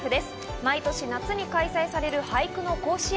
毎年夏に開催される俳句甲子園。